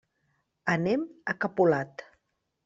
Anem a Capolat.